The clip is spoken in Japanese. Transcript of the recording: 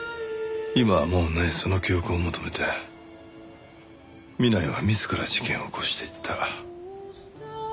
今はもうないその記憶を求めて南井は自ら事件を起こしていった。